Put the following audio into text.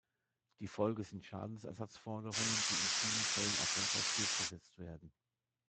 Die Folge sind Schadenersatzforderungen, die in vielen Fällen erfolgreich durchgesetzt werden.